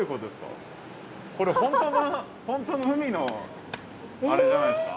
これ本当の海のあれじゃないですか。